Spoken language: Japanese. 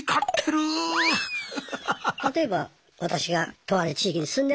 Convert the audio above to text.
例えば私がとある地域に住んでました。